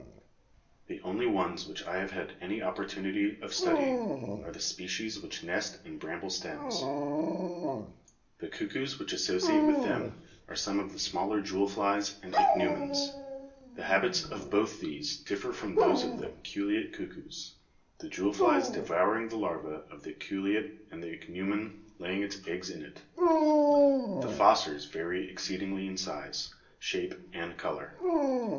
The only ones which I have had any opportunity of studying are the species which nest in bramble stems. The cuckoos which associate with them are some of the smaller jewel flies and Ichneumons: the habits of both these differ from those of the aculeate cuckoos, the jewel flies devouring the larva of the aculeate and the Ichneumon laying its eggs in it. The fossors [Illustration: FIG. 2.] vary exceedingly in size, shape and colour.